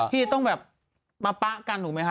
พี่จะต้องแบบมาป๊ากันหรือไหมคะ